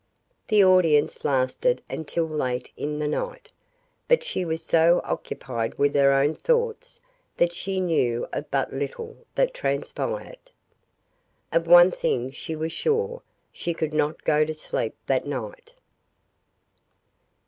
The audience lasted until late in the night, but she was so occupied with her own thoughts that she knew of but little that transpired. Of one thing she was sure. She could not go to sleep that night.